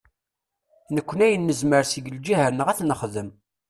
Nekkni ayen nezmer seg lǧiha-nneɣ ad t-nexdem.